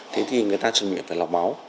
thế thì người ta truyền miệng phải lọc máu